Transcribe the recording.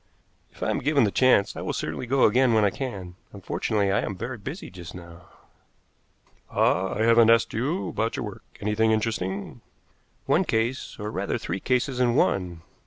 "If I am given the chance, I will certainly go again when I can. Unfortunately, I am very busy just now." "Ah, I haven't asked you about your work. Anything interesting?" "One case, or, rather, three cases in one."